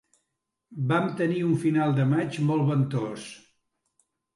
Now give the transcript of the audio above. Vam tenir un final de maig molt ventós.